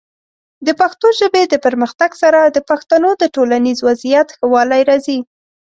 د پښتو ژبې د پرمختګ سره، د پښتنو د ټولنیز وضعیت ښه والی راځي.